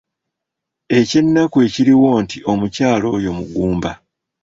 Eky’ennaku ekiriwo nti omukyala oyo mugumba.